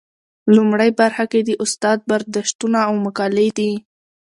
لومړۍ برخه کې د استاد برداشتونه او مقالې دي.